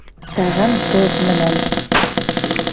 Тәғәм тоҙ менән